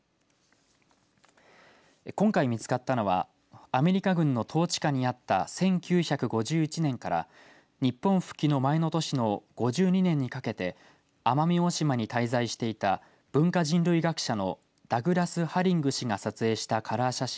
今回見つかったのはアメリカ軍の統治下にあった１９５１年から日本復帰の前の年の５２年にかけて奄美大島に滞在していた文化人類学者のダグラス・ハリング氏が撮影したカラー写真